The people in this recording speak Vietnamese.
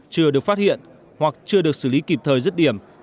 chưa được phát hiện hoặc chưa được xử lý kịp thời rứt điểm